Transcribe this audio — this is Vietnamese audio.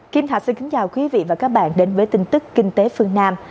kim thạch xin kính chào quý vị và các bạn đến với tin tức kinh tế phương nam